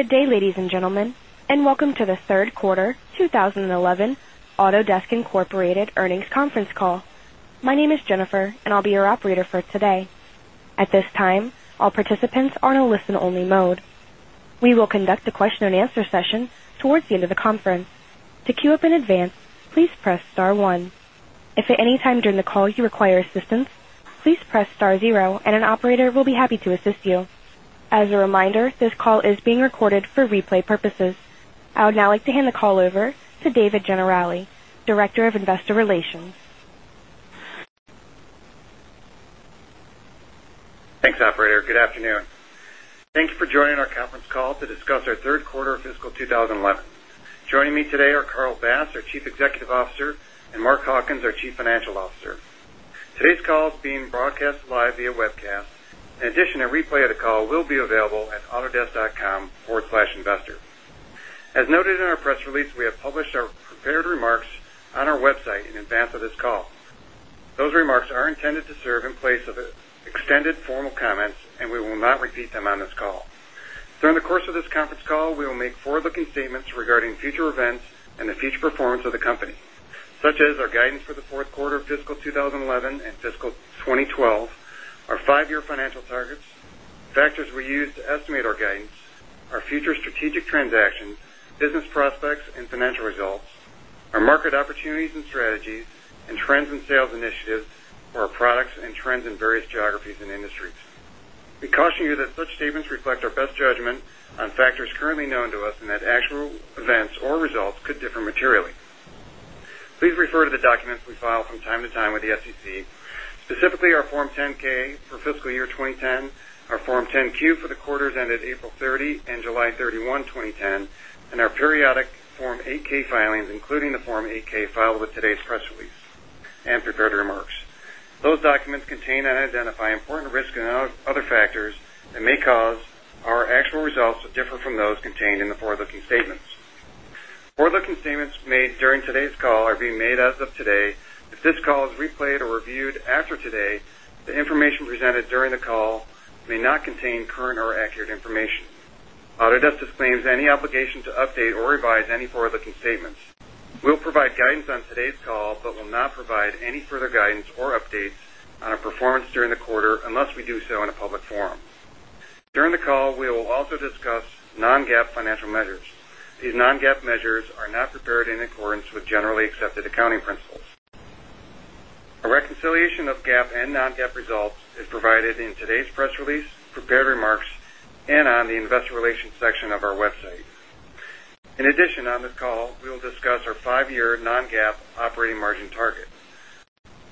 Good day, ladies and gentlemen, and welcome to the Third Quarter 2011 Autodesk Incorporated Earnings Conference Call. My name is Jennifer, and I'll be your operator for today. At this time, all participants are in a listen only mode. We will conduct a question and answer session towards the end of the conference. As a reminder, this call is being recorded for replay purposes. I would now like to hand the call over to David Generali, Director of Investor Relations. Thanks, operator. Good afternoon. Thank you for joining our conference call to discuss our Q3 fiscal 2011. Joining me today are Carl Bass, our Chief Executive Officer and Mark Hawkins, our Chief Financial Officer. Today's call is being broadcast live via webcast. In addition, a replay of the call will be available at autodesk.com/investor. As noted in our press release, we have published our prepared remarks on our website in advance of this call. Those remarks are intended to serve in place of extended formal comments and we will not repeat them on this call. During the course of this conference call, we will make forward looking statements regarding future events and the future performance of the company, such as our guidance for the Q4 of fiscal 2012, our 5 year financial targets, factors we use to estimate our guidance, our future strategic transactions, business prospects and financial results, our market opportunities and strategies and trends and sales initiatives, our products and trends in various geographies and industries. We caution you that such statements reflect our best judgment on factors currently known to us and that actual events or results could differ materially. Please refer to the documents we file from time to time with the SEC, specifically our Form 10 ks for fiscal year 2010, our Form 10 Q for the quarters ended April 30 July 31, 2010 and our periodic Form 8 ks filings including the Form 8 ks filed with today's press release and prepared remarks. Those documents contain and identify important risks and other factors that may cause our actual results to differ from those contained in the forward looking statements. Forward looking statements made during today's call are being made as of today. If this call is replayed or reviewed after today, the information presented during the call may not contain current or accurate information. Autodesk disclaims any obligation to update or revise any forward looking statements. We will provide guidance on today's call, but will not provide any further guidance or updates on our performance during the quarter unless we do so in a public forum. During the call, we will also discuss non GAAP financial measures. These non GAAP measures are not prepared in accordance with generally accepted accounting principles. A reconciliation of GAAP and non GAAP results is provided in today's press release, prepared remarks and on the Investor Relations section of our website. In addition, on this call, we will discuss our 5 year non GAAP operating margin target.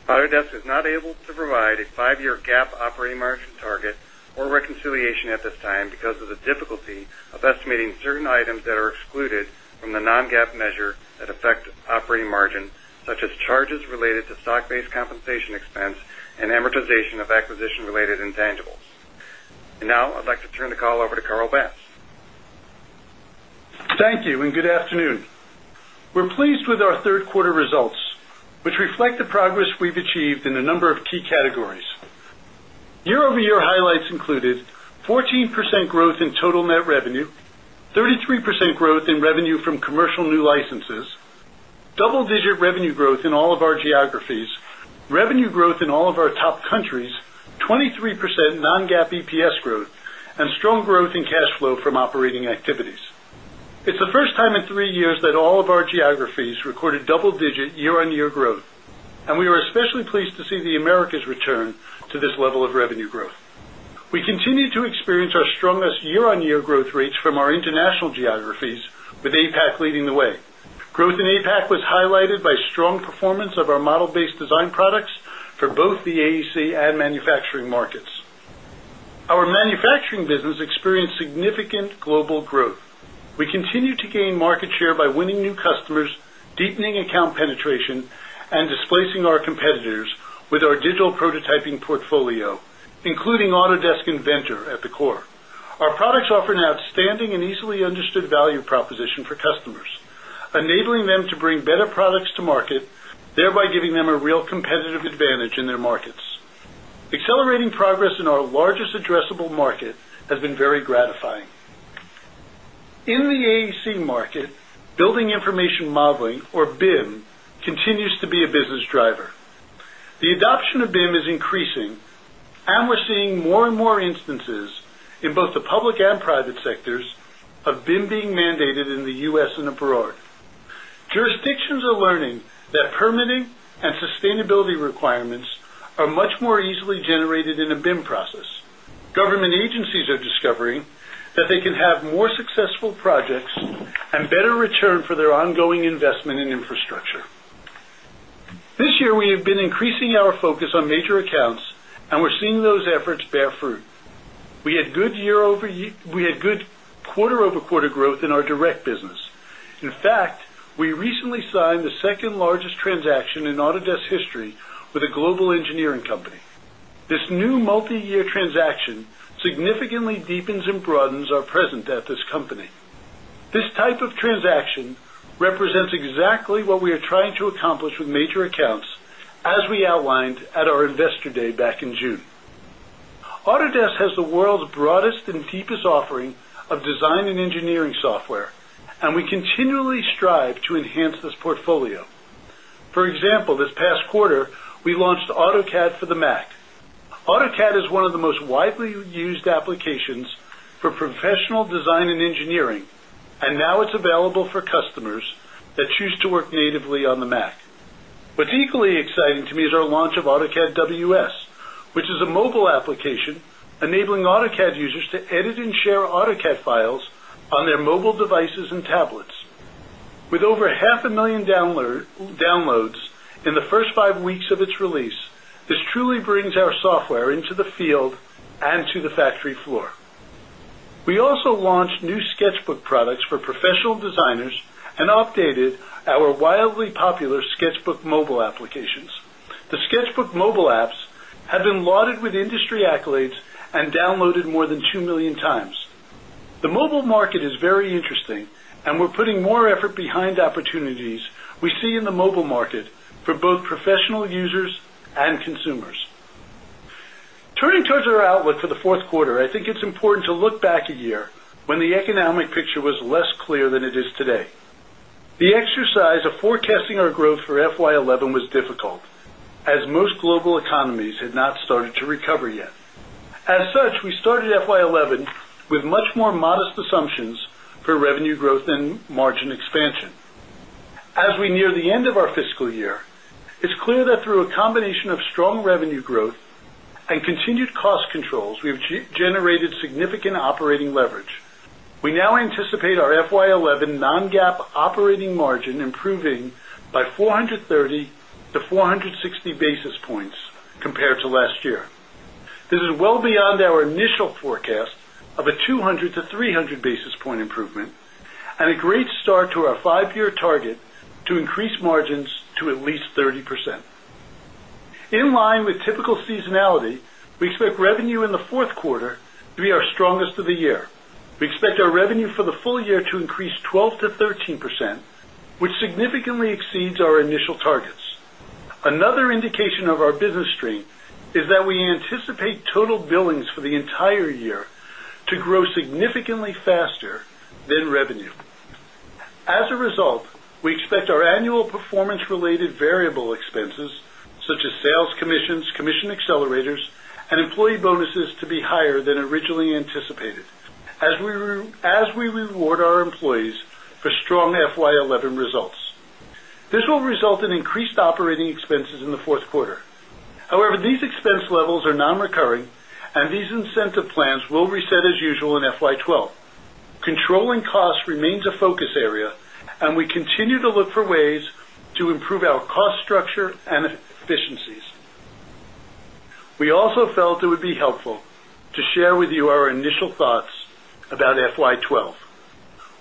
Autodesk is not able to provide a 5 year GAAP operating margin target or reconciliation at this time because of the difficulty of estimating certain items that are excluded from the non GAAP measure that affect operating margin such as charges related to stock based compensation expense and amortization of acquisition related intangibles. And now, I'd like to turn the call over to Carl Bass. Thank you and good afternoon. We're pleased with our 3rd quarter results, which reflect the progress we've achieved in a number of key categories. Year over year highlights included 14% growth in in all of our geographies, revenue growth in all of our top countries, 23% non GAAP EPS growth and strong growth in cash flow from operating activities. It's the first time in 3 years that all of our geographies recorded double digit year on year growth and we were especially pleased to see the Americas return to this level of revenue growth. We continue to experience our strongest year on year growth rates from our for both the AEC and manufacturing markets. Our manufacturing business experienced significant global growth. We continue to gain market share by winning new customers, deepening account penetration and displacing our competitors with our digital prototyping portfolio, including Autodesk Inventor at the core. Our products offer an outstanding and easily understood value proposition for customers, enabling them to bring better products to market, thereby giving them a real competitive advantage in their markets. Accelerating progress in our largest addressable market has been very gratifying. In the AEC market, Building Information Modeling or BIM continues to be a business driver. The adoption of BIM is increasing and we're seeing more and more instances in both the public and private sectors of BIM being mandated in the U. S. In the Perrode. Jurisdictions are learning that permitting and sustainability requirements are much more easily generated in a BIM process. Government agencies are discovering that they can have more successful projects and better return for their ongoing investment in infrastructure. This year, we have been increasing our focus on major accounts and we're seeing those efforts bear fruit. We had good quarter over quarter growth in our direct business. In fact, we recently signed the 2nd largest transaction in Autodesk's history with a global engineering company. This new multiyear transaction significantly deepens and broadens our represents exactly what we are trying to accomplish with major accounts as we outlined at our Investor Day back in June. Autodesk has the world's broadest and deepest offering of design and engineering software, and we continually strive to enhance this portfolio. For example, this past quarter, we launched AutoCAD for the Mac. AutoCAD is one of the most widely applications for professional design and engineering, and now it's available for customers that choose to work natively on the Mac. What's equally exciting to me is our launch of AutoCAD WS, which is a mobile application enabling AutoCAD users to edit and share AutoCAD files on their mobile devices and tablets. With over 500,000 downloads in the 1st 5 weeks of its release, this truly brings our software into the field and to the factory floor. We also launched new Sketchbook products for professional designers and updated our wildly popular Sketchbook mobile applications. The Sketchbook mobile apps have been lauded with industry accolades and downloaded more than 2,000,000 times. The mobile market is very interesting and we're putting more effort behind opportunities we see in the mobile market for both professional users and consumers. Turning towards our outlook for the Q4, I think it's important to look back a year when the economic picture was less clear than it is today. The exercise of forecasting our growth for FY 2011 was difficult as most global economies had not started to recover yet. As such, we started FY 2011 with much more modest assumptions for revenue growth and margin expansion. As we near the end of our fiscal year, it's clear that through a combination of strong revenue growth and continued cost controls, we've generated significant operating leverage. We now anticipate our FY 'eleven non GAAP operating margin improving by 430 460 basis points compared to last year. This is well beyond our initial forecast of a 200 to 300 basis point improvement and a great start to our 5 year target to increase margins to at least 30%. In line with typical seasonality, we expect revenue in the 4th quarter to be our strongest of the year. We expect our revenue for the full year to increase 12% to 13%, which significantly exceeds our initial targets. Another indication of our business stream is that we anticipate total billings for the entire year to grow significantly faster than revenue. As a result, we expect our annual performance related variable expenses such as sales commissions, commission accelerators and employee bonuses to be higher than originally anticipated, as we reward our employees for strong FY 2011 results. This will result in increased operating expenses in the 4th quarter. However, these expense levels are non recurring and these incentive plans will reset as usual in FY 'twelve. Controlling costs remains a focus area and we continue to look for ways to improve our cost structure and efficiencies. We also felt it would be helpful to share with you our initial thoughts about FY 'twelve.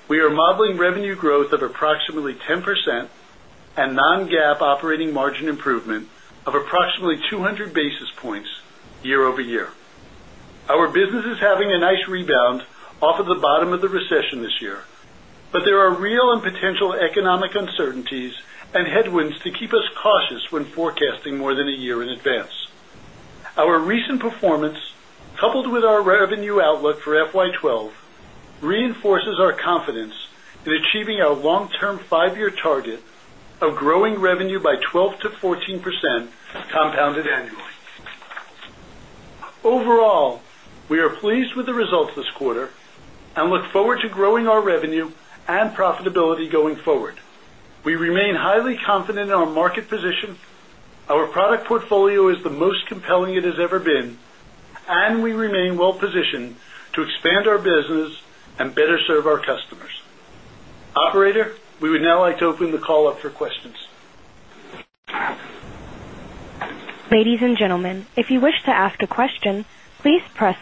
We are modeling revenue growth of approximately 10% and non GAAP operating margin improvement of approximately 200 basis points year over year. Our business is having a nice rebound off of the bottom of the recession this year, but there are real and potential economic uncertainties and headwinds to keep us cautious when forecasting more than a year in advance. Our recent performance, coupled with our revenue outlook for FY 'twelve, reinforces our confidence in achieving our long term 5 year target of growing revenue by 12% to 14% compounded annually. Overall, we are pleased with the results this quarter and look forward to growing our revenue and profitability going forward. We remain highly confident in our market Our product portfolio is the most compelling it has ever been and we remain well positioned to expand our business and better serve our customers. Operator, we would now like to open the call up for questions. Our first question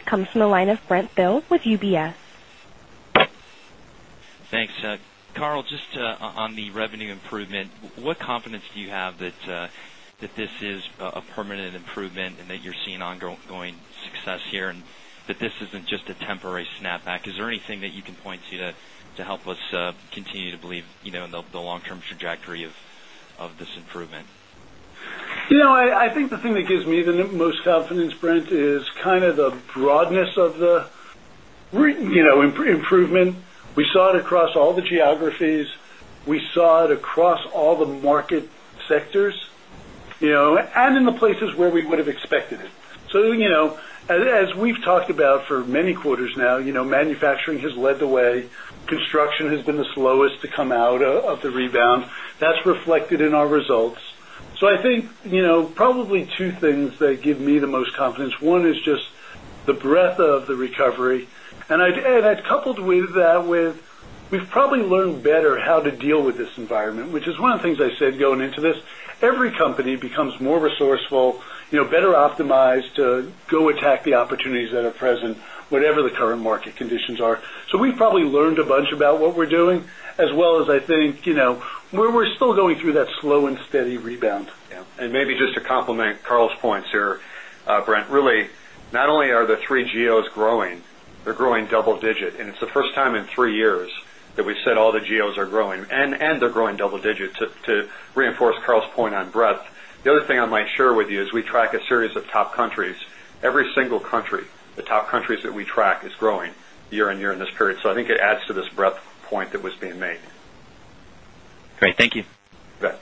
comes from the line of Brent Thill with UBS. Thanks. Carl, just on the revenue improvement, what confidence do you have that this is a permanent improvement and that you're seeing ongoing success here and that this isn't just a temporary snapback? Is there anything that you can point to help us continue to believe the long term trajectory of this improvement? I think the thing that gives me the most confidence, Brent, is kind of the broadness of the improvement. We saw it across all the geographies. We saw manufacturing has led the way, construction has many quarters now, manufacturing has led the way, construction has been the slowest to come out of the rebound. That's reflected in our results. So, I think probably 2 things that give me the most confidence. 1 is just the breadth of the recovery and I'd coupled with that with, we've probably learned better how to deal with this environment, which is one of the things I said going into this. Every company becomes more resourceful, better optimized to go attack the opportunities that are present, whatever the current market conditions are. So, we probably learned a bunch about what we're doing, as well as I think, we're still going through that slow and steady rebound. And maybe just to complement Karl's points here, Brent, really not only are the 3 geos growing, they're growing double digit and it's the first time in 3 years that we said all the geos are growing and they're growing double digit to reinforce Carl's point on breadth. The other thing I might share with you is we track a series of top countries, every single country, the top countries that we track is growing year on year in this period. So I think it adds to this breadth point that was being made. Great. Thank you. You bet.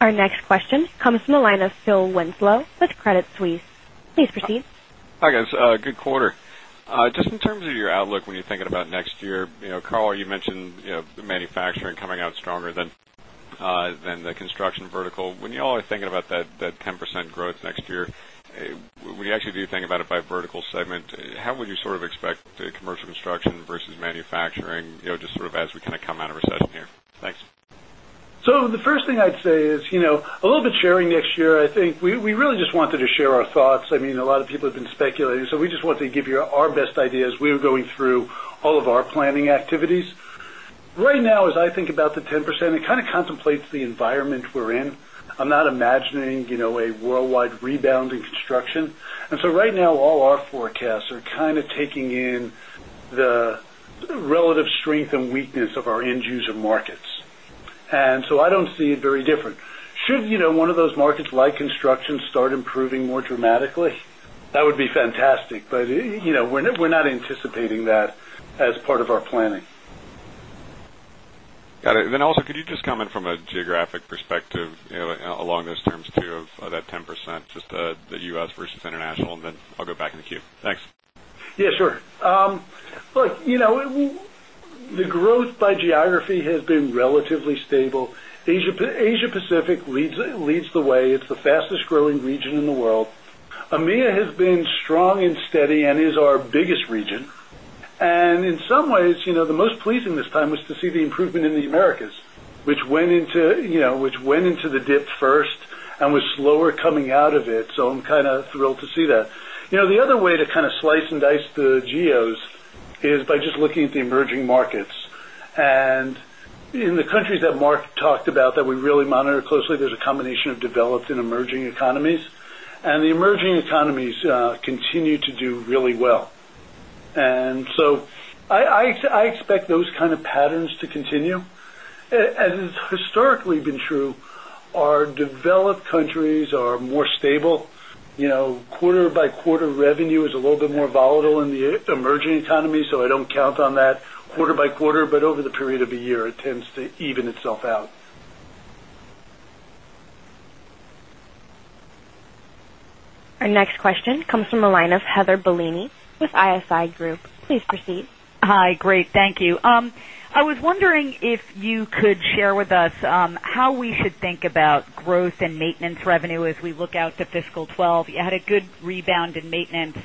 Our next question comes from the line of Phil Winslow with Credit Suisse. Please proceed. Hi, guys. Good quarter. Just in terms of your outlook, when you're thinking about next year, Carl, you mentioned the manufacturing coming out stronger than the construction vertical. When you all are thinking about that 10% growth next year, would you actually do think about it by vertical segment? How would you sort of expect commercial construction versus manufacturing just sort of as we kind of come out of recession here? Thanks. So the first thing I'd say is a little bit sharing next year. I think we really just wanted to share our thoughts. I mean, a lot of people have been speculating. So, we just want to give you our best ideas. We were going through all of our planning activities. Right now, as I think about the 10%, it kind of contemplates the environment we're in. I'm not imagining a worldwide rebound in construction. And so right now, all our forecasts are kind of taking in the relative strength and weakness of our end user markets. And so I don't see it very different. Should one of those markets like construction start improving more dramatically, that would be fantastic, but we're not anticipating that as part of our planning. Got it. And then also could you just comment from a geographic perspective along those terms too of that 10% just the U. S. Versus international? And then I'll go back in the queue. Thanks. Yes, sure. Look, the growth by geography has been relatively stable. Asia Pacific leads the way. It's the fastest growing region in the world. EMEA has been strong and steady and is our biggest region. And in some ways, the most pleasing this time was to see the improvement in the Americas, which went into the dip first and was slower coming out of it. So, I'm kind of thrilled to see that. The other way to kind of slice and dice the geos is by just looking at the emerging markets. And in the countries that Mark talked about that we really monitor closely, there's a combination of developed and emerging economies. And the emerging economies continue to do really well. And so, I expect those kind of patterns quarter revenue is a little bit more volatile in the emerging economy, so I don't count quarter revenue is a little bit more volatile in the emerging economy. So, I don't count on that quarter by quarter, but over the period of the year, it tends to even itself out. Our next question comes from the line of Heather Bellini with ISI Group. Please proceed. Hi, great. Thank you. I was wondering if you could share with us how we should think about growth in maintenance revenue as we look out to fiscal 2012. You had a good rebound in maintenance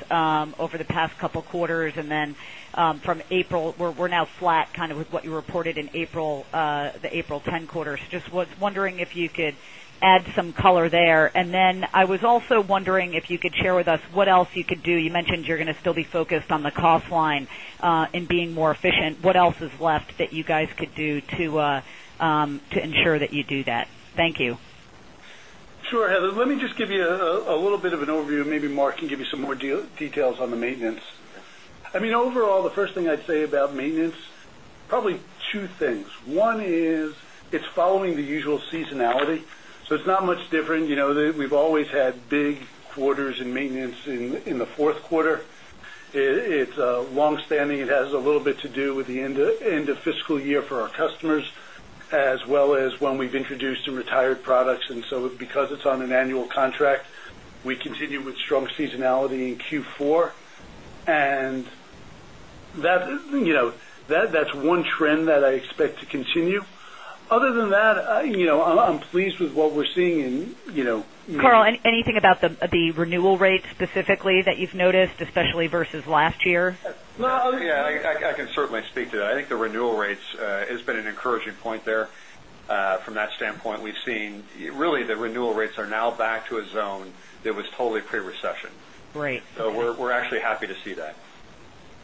over the past couple of quarters and then from April, we're now flat kind of with what you reported in April, the April 'ten quarters. Just was wondering if you could add some color there. And then I was also wondering if you could share with us what else you could do. You still be focused on the cost line in being more efficient. What else is left that you guys could do to ensure that you do that? Thank you. Sure, Heather. Let me just give you a little bit of an overview, maybe Mark can give you some more details on the maintenance. I mean, overall, the first thing I'd say about maintenance, probably two things. One is, it's following the usual seasonality. So it's not much different. We've always had big quarters in maintenance in the Q4. It's a long standing. It has a little bit to do with the end of fiscal year for our customers, as well as when we've introduced and retired products. And so, because it's on an annual contract, we continue with strong seasonality in Q4. And that's one trend that I expect to continue. Other than that, I'm pleased with what we're seeing in Carl, anything about the renewal rate specifically that you've noticed especially versus last year? Yes, I can certainly speak to that. I think the renewal rates has been an encouraging point there. From that standpoint, we've seen really the little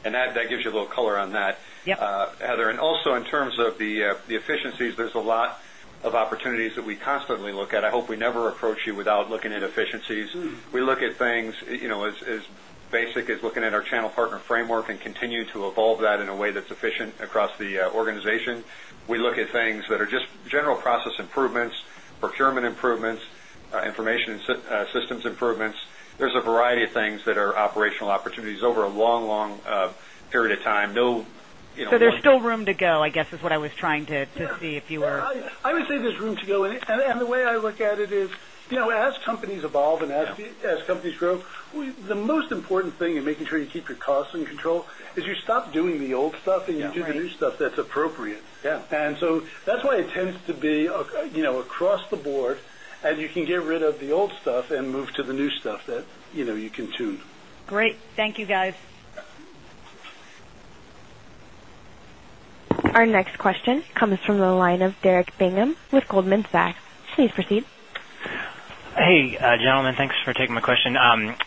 you a little color on that, Heather. And also in terms of the efficiencies, there's a lot of opportunities that we constantly look at. I hope we never approach you without looking at efficiencies. We look at things as basic as looking at our channel partner framework and continue to evolve that in a way that's efficient across the organization. We look at things that are just general process improvements, procurement improvements, information systems improvements. There is a variety of things that are operational opportunities over a long, long period of time. So there is still room to go, I guess is what I was trying to see if you were I would say there's room to go. And the way I look at it is, as companies evolve and as companies grow, the most important thing in making sure you keep your costs in control is you stop doing the old stuff and you do the new stuff that's appropriate. And so that's why it tends to be across the board and you can get rid of the old stuff and move to the new stuff that you can tune. Great. Thank you, guys. Our next question comes from the line of Derek Bingham with Goldman Sachs. Please proceed. Hey, gentlemen. Thanks for taking my question.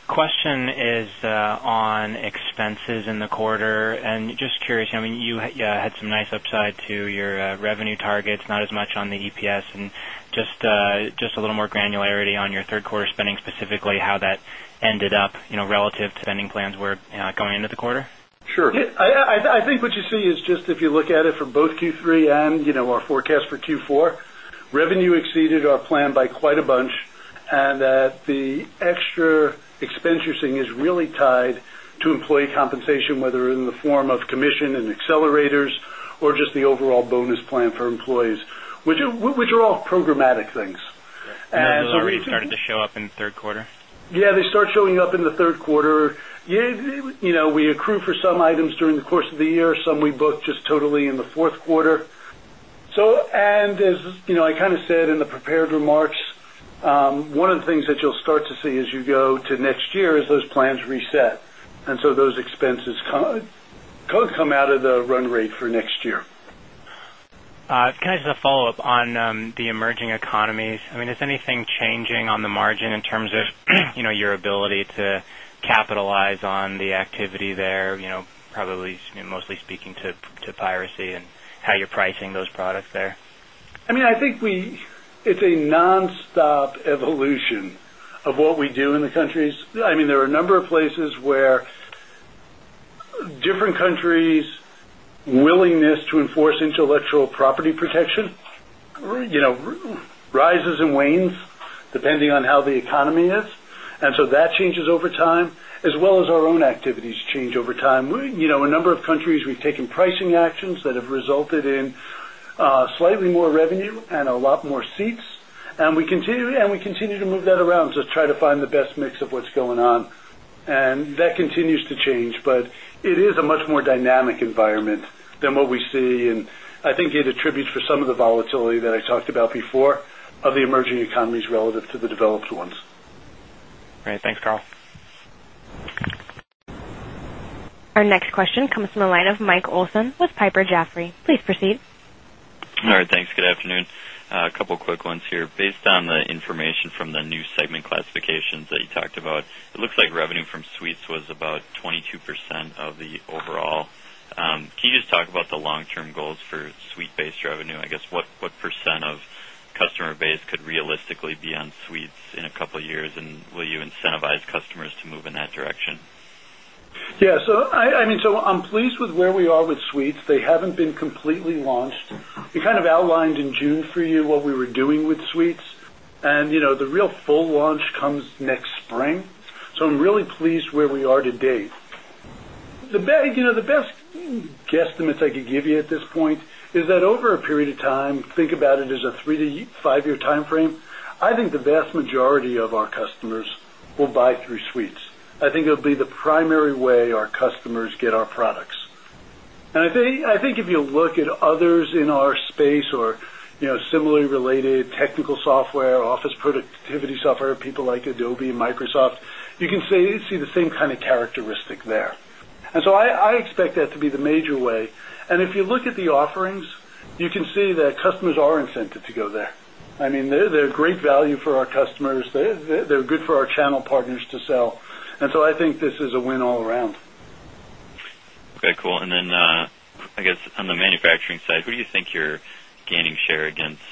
Question is on expenses in the quarter. And just curious, I mean, you had some nice upside to your revenue targets, not as much on the EPS. And just a little more granularity on Q3 spending specifically how that ended up relative to spending plans were going into the quarter? Sure. I what you see is just if you look at it from both Q3 and our forecast for Q4, revenue exceeded our plan by quite a bunch and that the extra expense you're seeing is really tied to employee compensation, whether in the form of commission and accelerators or just 3rd quarter? Yes, they start showing up in the Q3. We accrue for some items during the course of the year, some we booked just totally in the Q4. So and as I kind of said in the prepared remarks, one of the things that you'll start to see as you go to next year is those plans reset. And so those expenses could come out of the run rate for next year. Can I just follow-up on the emerging economies? I mean, is anything changing on the margin in terms of your ability to capitalize on the activity there, probably mostly speaking to piracy and how you're pricing those products there? I mean, I think it's a non stop evolution of what we do in the countries. I mean, there are a number of places where different countries' willingness to enforce intellectual property protection rises and wanes depending on how the economy is. And so that changes over time, as well as our own activities change over time. A number of countries, we've taken pricing actions that have resulted in slightly more revenue and a lot more seats and we continue to move that around to try to find the best mix of what's going on. And that continues to change, but it is a much more dynamic environment than what we see. And I think it attributes for some of the volatility that I talked about before of the emerging economies relative to the developed ones. Great. Thanks, Karl. Our next question comes from the line of Mike Olson with Piper Jaffray. Please proceed. All right. Thanks. Good afternoon. A couple of quick ones here. Based on the information from the new segment classifications that you talked about, it looks like revenue from suites was about 22% of the overall. Can you just talk about the long term goals for suite based revenue? I guess what percent of customer base could realistically be on suites in a couple of years and will you incentivize customers to move in that direction? Yes. So I mean, so I'm pleased with where we are with suites. They haven't been completely launched. We kind of outlined in June for you what we were doing with suites. And the real full launch comes next spring. So I'm really pleased where we are today. The best guesstimates I could give you at this point is that over a period of time, think about it as a 3 to 5 year timeframe, I think the vast majority of our customers will buy through suites. I think it will be the primary way our customers get our products. And I think if you look at others in our space or similarly related technical software, office productivity software, people like Adobe and Microsoft, you can see the same kind of characteristic there. And so I expect that to be the major way. And if you look at the offerings, you can see that customers are incented to go there. I mean, they are great value for our customers. They are good for our channel partners to sell. And so I think this is a win all around. Okay, cool. And then, I guess, on the manufacturing side, who do you think you're gaining share against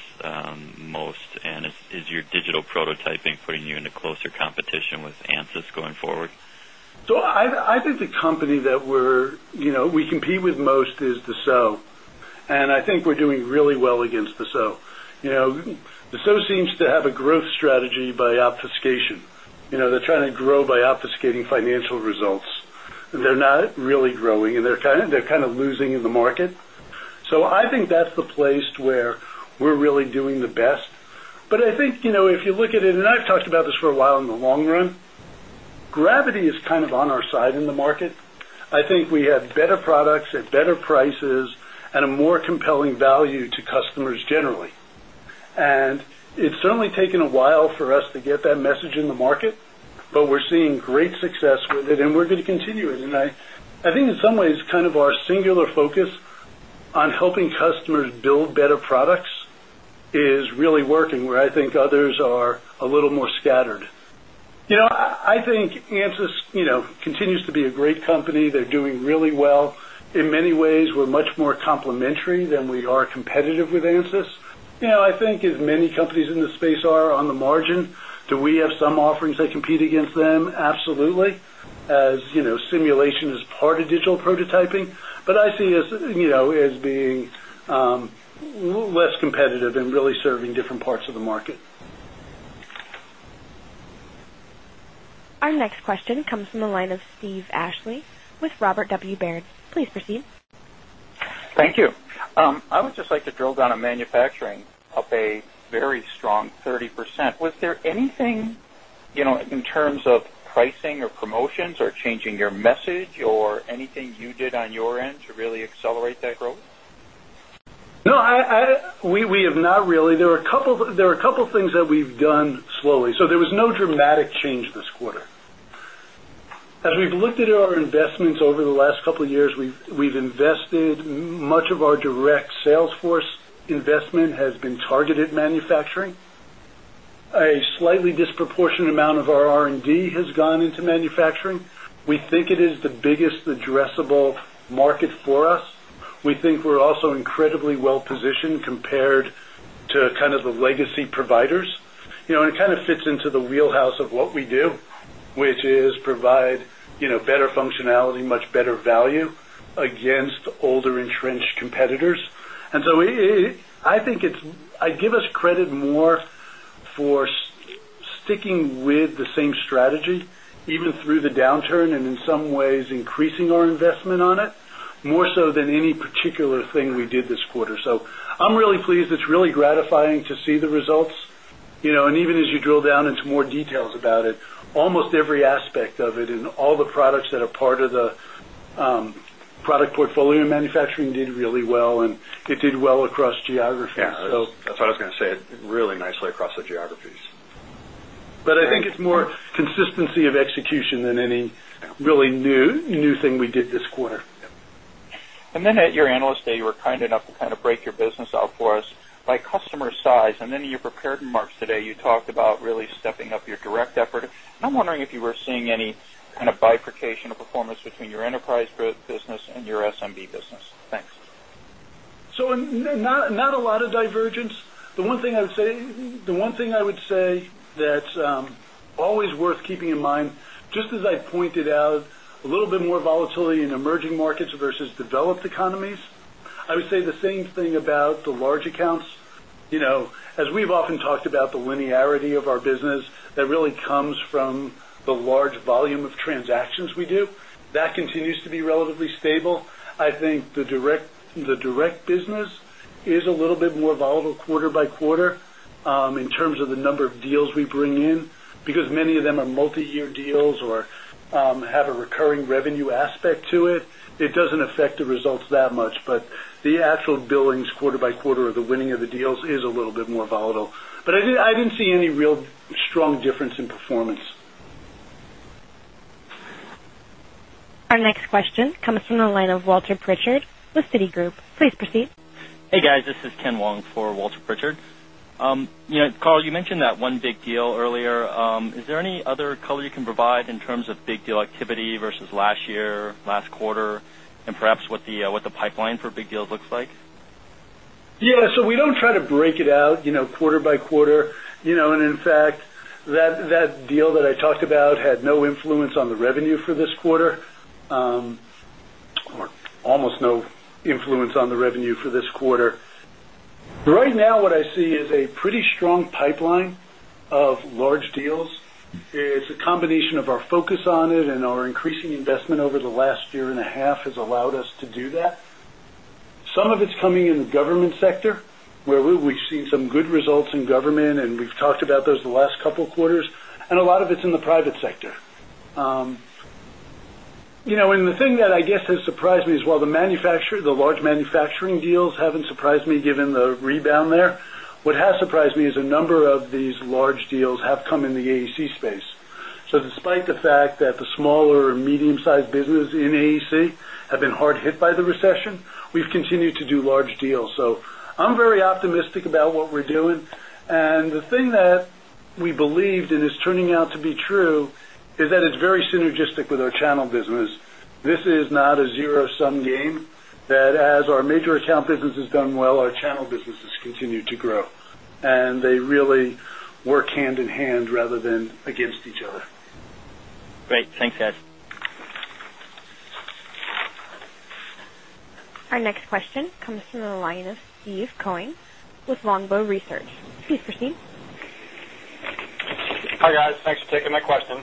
most and is your digital prototyping putting you into closer competition with ANSYS going forward? So, I think the company that we compete with most is Dassault. And I think we're doing really well against Dassault. Dassault seems to have a growth strategy by obfuscation. They're trying to grow by obfuscating financial results. They're not really growing and they're kind of losing in the market. So I think that's the place where we're really doing the best. But I think if you look at it and I've talked about this for a while in the long run, gravity is kind of on our side in the market. I think we have better products at better prices and a more compelling value to customers generally. And it's certainly taken a while for us to get that message in the market, but we're seeing great success with it and we're going to continue it. And I think in some ways kind of our singular focus on helping customers build better products is really working where I think others are a little more scattered. I think ANSYS continues to be a great company. They're doing really well. In many ways, we're competitive with ANSYS. I think as many companies in this space are on the margin, do we have some offerings that compete against them? Absolutely. As simulation is part of digital prototyping, but I see as being less competitive and really serving different parts of the market. Our next question comes from the line of Steve Ashley with Robert W. Baird. Please proceed. Thank you. I would just like to drill down on manufacturing up a very strong 30%. Was there anything in terms of pricing or promotions or changing your message or anything you did on your end to really accelerate that growth? No, we have not really. There are a couple of things that we've done slowly. So there was no dramatic change this quarter. As we've looked at our investments over the last couple of years, we've invested much of our direct sales force investment has been targeted manufacturing. A slightly disproportionate amount of our R and D has gone into manufacturing. We think it is the biggest addressable market for us. We think we're also incredibly well positioned compared to kind of the legacy providers. And it kind of fits into the wheelhouse of what we do, which is provide better functionality, much better value against older entrenched competitors. And so, I think it's I give us credit more for sticking with the same strategy even through the downturn and in some ways increasing our investment on it more so than any particular thing we did this quarter. So, I'm really pleased, it's really gratifying to see the results. And even as you drill down into more details about it, almost every aspect of it in all the products that are part of the product portfolio manufacturing did really well and it did well across geographies. So, that's what I was going to say, really nicely across the geographies. But I think it's more consistency of execution than any really new thing we did this quarter. And then at your Analyst Day, you were kind enough to kind of break your business out for us by customer size. And then in your prepared remarks today, you talked about really stepping up your direct effort. I'm wondering if you were seeing any kind of bifurcation of performance between your enterprise business and your SMB business? Thanks. So not a lot of divergence. The one thing I would say that's always worth keeping in mind, just as I pointed out, a little bit more volatility in emerging markets versus developed economies. I would say the same thing about the large accounts. As we've often talked about the linearity of our business that really comes from the large volume of transactions we do. That continues to be relatively stable. I think the direct business is a little bit more volatile quarter by quarter in terms of the number of deals we bring in because many of them are multiyear deals or have a recurring revenue aspect to it, it doesn't affect the results that much. But the actual billings quarter by quarter of the winning of the deals is a little bit more volatile. But I didn't see any real strong difference in performance. Our next question comes from the line of Walter Pritchard with Citigroup. Please proceed. Hey, guys. This is Ken Wong for Walter Pritchard. Carl, you mentioned that one big deal earlier. Is there any other color you can provide in terms of big deal activity versus last year, last quarter and perhaps what the pipeline for big deals looks like? Yes. So we don't try to break it out quarter by quarter. And in fact, that deal that I talked about had no influence on the revenue for this quarter or almost no influence on the revenue for this quarter. Right now, what I see is a pretty strong pipeline of large deals. It's a combination of our focus on it and our increasing investment over the last year and a half has allowed us to do that. Some of it's coming in the government sector, where we've seen some good results in government and we've talked about those the last couple of quarters and a lot of it's in the private sector. And the thing that I guess has surprised me is while the manufacturer, the large manufacturing deals haven't surprised me given the smaller and medium sized business in AEC have been hard hit by the smaller and medium sized business in AEC have been hard hit by the recession, we've continued to do large deals. So I'm very optimistic about what we're doing. And the thing that we believed and is turning out to be true is that it's very synergistic with our channel business. This is not a zero sum game that as our major account business has done well, our channel businesses continue to grow and they really work hand in hand rather than against each other. Great. Thanks guys. Our next question comes from the line of Steve Cohen with Longbow Research. Please proceed. Hi, guys. Thanks for taking my question.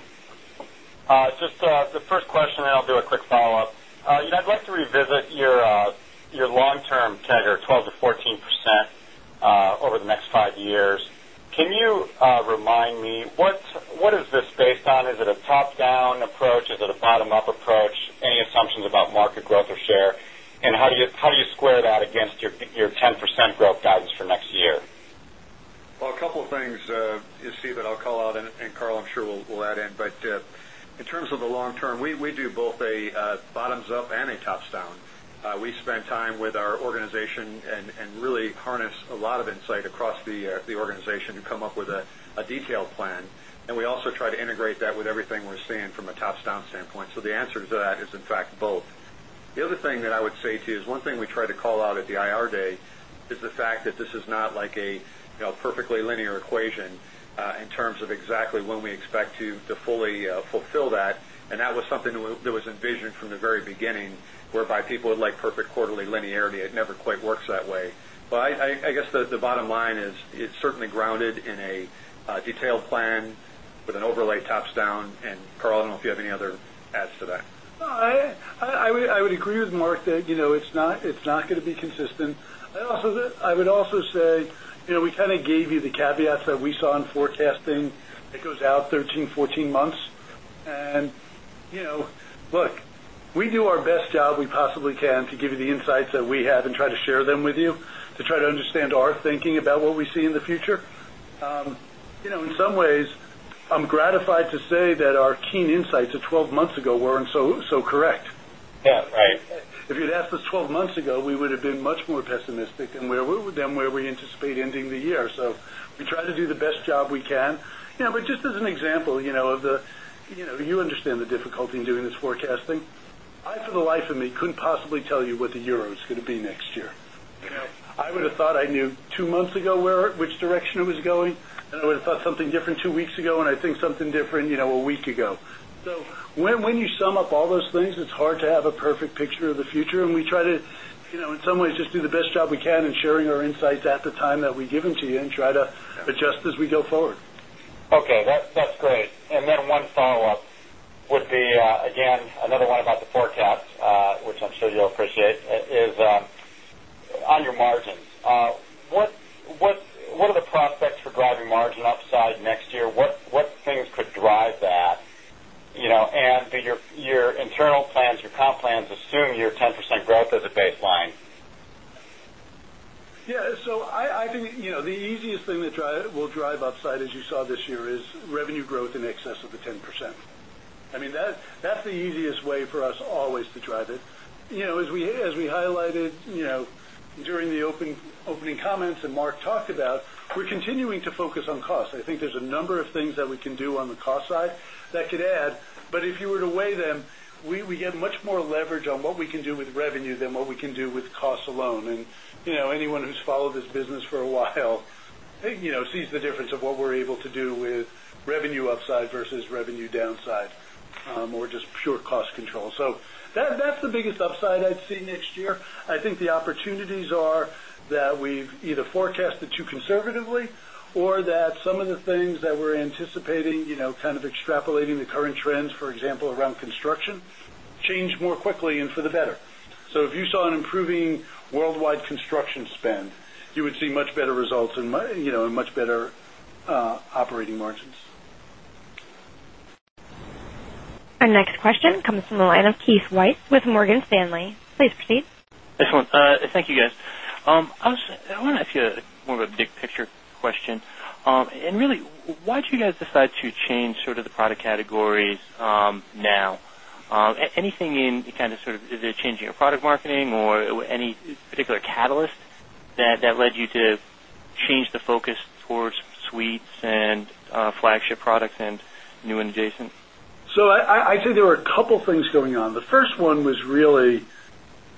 Just the first question and then I'll do a quick follow-up. I'd like to revisit your long term CAGR 12% to 14% over the next 5 years. Can you remind me what is this based on? Is it a top down approach? Is it a bottom up approach? Any assumptions about market growth or share? And how do you square that against your 10% growth guidance for next year? Well, a couple of things, Steve, that I'll call out and Karl, I'm sure, will add in. But in terms of the long term, we do both a bottoms up and a tops down. We spend time with our organization and really harness a lot of insight across the organization to come up with a detailed plan. And we also try to integrate that with everything we're seeing from a top down standpoint. So the answer to that is in fact both. The other thing that I would say to you is one thing we tried to call out at the IR Day is the fact that this is not like a perfectly linear equation in terms of exactly when we expect to fully fulfill that. And that was something that was envisioned from the very beginning, whereby people would like perfect quarterly linearity. It never quite works that way. But I guess the bottom line is it's certainly grounded in a detailed plan with an overlay tops down. And Carl, I don't know if you have any other adds to that. I would agree with Mark that it's not going to be consistent. I would also say we kind of gave you the caveats that we saw in forecasting that goes out 13, 14 months. And look, we do our best job we possibly can to give you the insights that we have and try to share them with you to try to understand our thinking about what we see in the future. In some ways, I'm gratified to say that our keen insights of 12 months ago weren't so correct. Yes, right. If you'd asked us 12 months ago, we would have been much more pessimistic than where we anticipate ending the year. So, we try to do the best job we can. But just as an example of the you understand the difficulty in doing this forecasting. I, for the life of me, couldn't possibly tell you what the euro is going to be next year. I would have thought I knew 2 months ago where which direction it was going. And I would have thought something different 2 weeks ago, and I think something different a week ago. So when you sum up all those things, it's hard to have a perfect picture of the future and we try to, in some ways, just do the best job we can in sharing our insights at the time that we give them to you and try to adjust as we go forward. Okay. That's great. And then one follow-up would be again another one about the forecast, which I'm sure you'll appreciate is on your margins. What are the prospects for driving margin upside next year? What things could the easiest thing that will drive upside as you saw this year is, we're think the easiest thing that will drive upside as you saw this year is revenue growth in excess of the 10%. I mean that's the easiest way for us always to drive it. As we highlighted during the opening comments and Mark talked about, we're continuing to focus on cost. I think there's a number of things that we can do on the cost side that could add. But if you were to weigh them, we get much more leverage on what we can do with revenue than what we can do with costs alone. And anyone who's followed this business for a while sees the difference of what we're able to do with revenue upside versus revenue downside or just pure cost control. So that's the biggest upside I'd see next year. I think the opportunities are that we've either forecasted too conservatively or that some of the things that we're anticipating kind of extrapolating the current trends, for example, around construction change more quickly and for the better. So if you saw an improving worldwide construction spend, you would see much better results and much better operating margins. Our next question comes from the line of Keith White with Morgan Stanley. Please proceed. Thank you, guys. I was wondering if you had more of a big picture question. And really, why do you guys decide to change sort of the product categories now? Anything in kind of sort of is it changing your product marketing or any particular catalyst that led you to change the focus towards suites and flagship products and new and adjacent? So I'd say there were a couple of things going on. The first one was really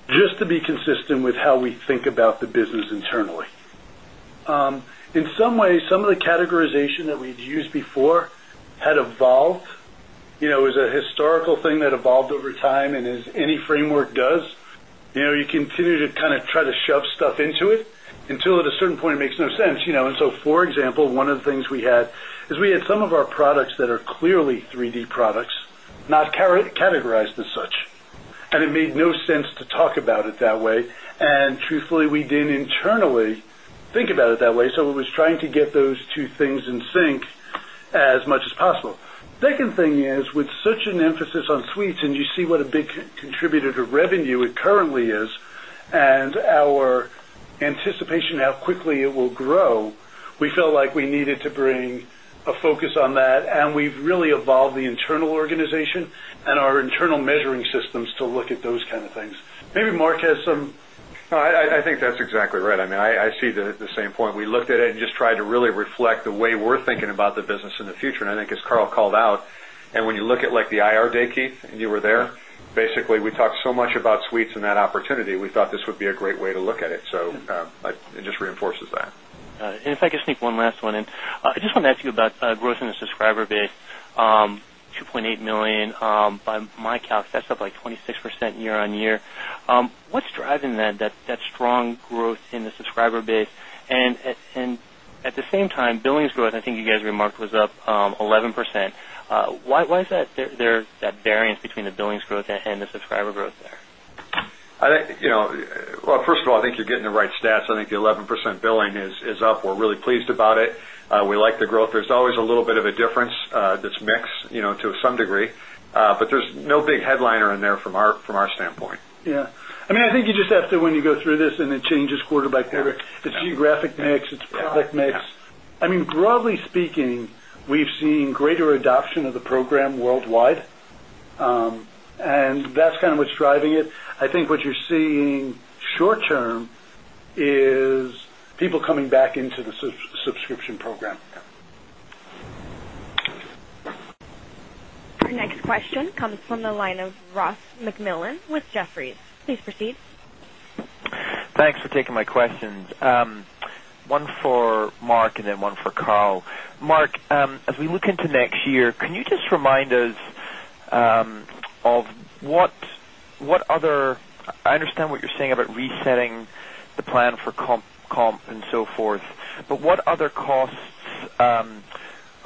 just to be consistent with how we think about the business internally. In some ways, some of the categorization that we've used before had evolved. It was a historical thing that evolved over time and is any framework does, you continue to kind of try to shove stuff into it until at a certain point makes no sense. And so, for example, one of the things we had is we some of our products that are clearly 3 d products, not categorized as such. And it made no sense to talk about it that way. And truthfully, we did internally think about it that way. So, we're just trying to get those 2 things in sync as much as possible. 2nd thing is, with such an emphasis on suites and you see what a big contributor to revenue it currently is and our anticipation how quickly it will grow, we felt like we needed to bring a focus on that and we've really evolved the internal organization and our internal measuring systems to look at those kind of things. Maybe Mark has some I think that's exactly right. I mean, I see the same point. We looked at it and just tried to really reflect the way we're thinking about the business in the future. And I think as Carl called out and when you look at like the IR day, Keith, and you were there, basically we talked so much about suites and that opportunity, we thought this would be a great way to look at it. So it just reinforces that. And if I could sneak one last one in. I just want to ask you about growth in the subscriber base, 2,800,000 by my calc, that's up like 26% year on year. What's driving that strong growth in the subscriber base? And at the same time, billings growth, I think you guys remarked was up 11%. Why is that variance between the billings growth and the subscriber growth there? Well, first of all, I think you're getting the right stats. I think the 11% billing is up. We're really pleased about it. We like the growth. There's always a little bit of a difference, this mix to some degree, but there's no big headliner in there from our standpoint. Yes. I mean, I think you just have to when you go through this and it changes quarter by quarter, it's geographic mix, it's product mix. I mean, broadly speaking, we've seen greater adoption of the program worldwide. And that's kind of what's driving it. I think what you're seeing short term is people coming back into the subscription program. Our next question comes from the line of Ross MacMillan with Jefferies. Please proceed. Thanks for taking my questions. One for Mark and then one for Karl. Mark, as we look into next year, can you just remind us of what other I understand what you're saying about resetting the plan for comp and so forth, But what other costs are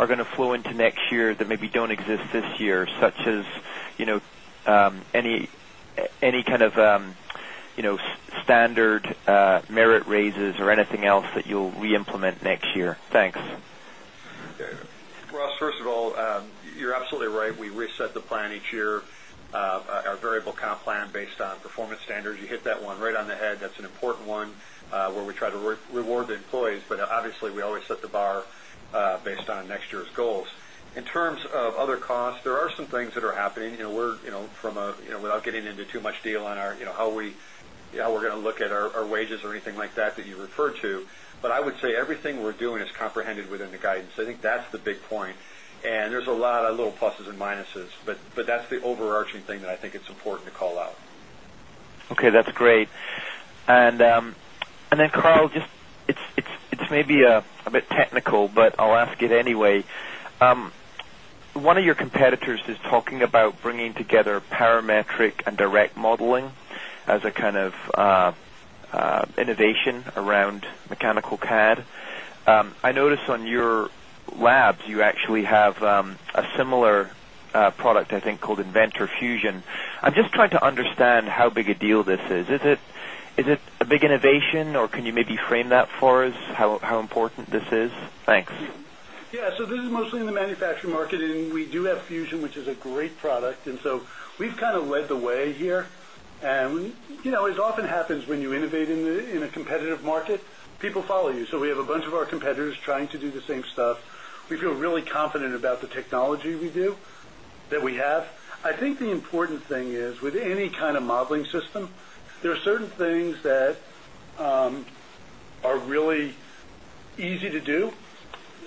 going to flow into next year that maybe don't exist this year, such as any kind of standard merit raises or anything else that you'll reimplement next year? Thanks. Ross, first of all, you're absolutely right. We reset the plan each year. Our variable comp plan based on performance standards. You hit that one right on the head. That's an important one where we try to reward the employees. But obviously, we always set the bar based on next year's goals. In terms of other costs, there are some things that are happening. We're from a without getting into too much deal on our how we we're going to look at our wages or anything like that that you referred to, but I would say everything we're doing is comprehended within the guidance. I think that's the big point and there's a lot of little pluses and minuses, but that's the overarching thing that I think it's important to call out. Okay, that's great. And then Carl, just it's maybe a bit technical, but I'll ask it anyway. 1 of your competitors is talking about bringing together parametric and direct modeling as a kind of innovation around mechanical CAD. I noticed on your labs, you actually have a similar product, I think, called Inventor Fusion. I'm just trying to understand how big a deal this is. Is it a big innovation or can you maybe frame that for us, how important this is? Thanks. Yes. So this is mostly in the manufacturing market and we do have Fusion, which is a great product. And so we've kind of led the way here. And as often happens when innovate in a competitive market, people follow you. So we have a bunch of our competitors trying to do the same stuff. We feel really confident about the technology we do that we have. I think the important thing is with any kind of modeling system, there are certain things that are really easy to do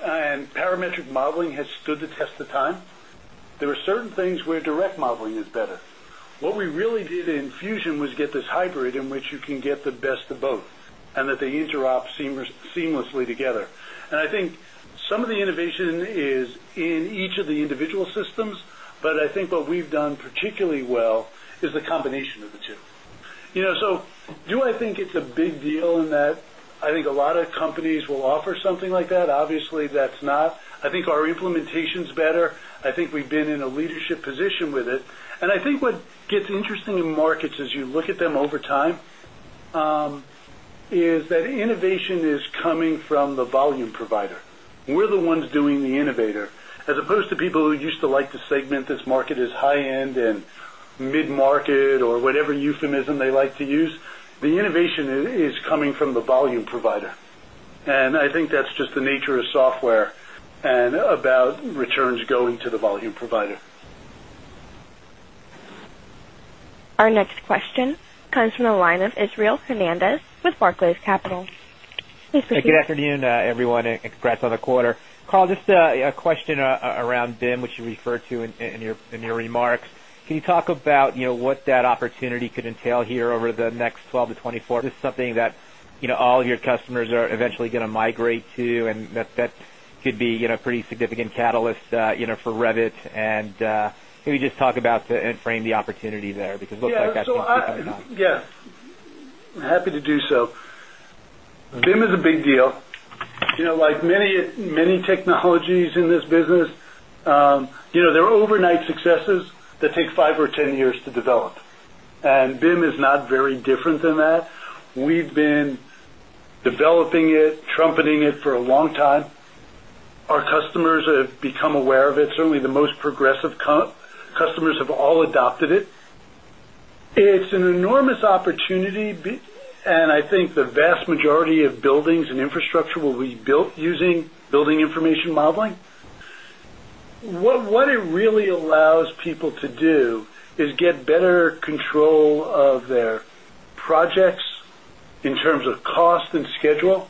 and parametric modeling has stood the test of time. There are certain things where direct modeling is better. What we really did in Fusion was get this hybrid in which you can get the best of both and that they interop seamlessly together. And I think some of the innovation is in each of the individual systems, but I think what we've done particularly well is the combination of the 2. So do I think it's a big deal in that? I think a lot of companies will offer something like that. Obviously, that's not. I think our implementation is better. I think we've been in a leadership position with it. And I think what gets interesting in markets as you look at them over time is that innovation is coming from the volume provider. We're the ones doing the innovator as opposed to people who used to like to segment this market is high end and mid market or whatever euphemism they like to use, the innovation is coming from the volume provider. And I think that's just the nature of software and about returns going to the volume provider. Our next question comes from the line of Israel Hernandez with Barclays Capital. Hey, good afternoon, everyone. Congrats on the quarter. Carl, just a question around BIM, which you referred to in your remarks. Can you talk about what that opportunity could entail here over the next 12 to 24? Is this something that all of your customers are eventually going to migrate to and that could be pretty significant catalyst for Revit? And can you just talk about and frame the opportunity there because it looks like that's Yes, happy to do so. VIM is a big deal. Like many technologies in this business, there are overnight successes that take 5 or 10 years to develop. And BIM is not very different than that. We've been developing it, trumpeting it for a long time. Our customers have become aware of it. Certainly, the most progressive customers have all adopted it. It's an enormous information modeling. What it really allows people to do is get better control of their projects in terms of cost and schedule.